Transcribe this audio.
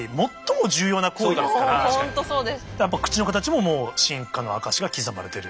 やっぱ口の形ももう進化の証しが刻まれてる。